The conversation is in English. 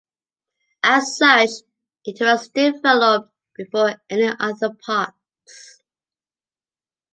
As such, it was developed before any other parks.